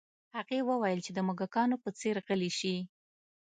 هغې ورته وویل چې د موږکانو په څیر غلي شي